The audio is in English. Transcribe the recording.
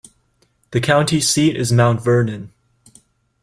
The county seat is Mount Vernon.